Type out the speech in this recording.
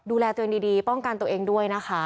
ดูแลตัวเองดีป้องกันตัวเองด้วยนะคะ